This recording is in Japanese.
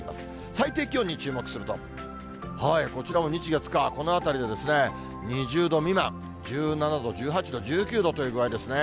最低気温に注目すると、こちらも日、月、火、このあたりで、２０度未満、１７度、１８度、１９度という具合ですね。